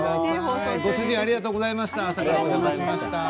朝からありがとうございました。